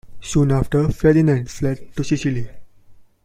Soon afterwards Ferdinand fled to Sicily.